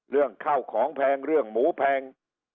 เรื่องข้าวของแพงเรื่องหมูแพง